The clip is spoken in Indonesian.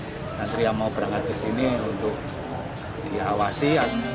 jadi santri yang mau berangkat ke sini untuk dihawasi